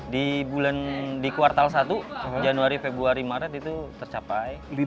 di kuartal satu januari februari maret itu tercapai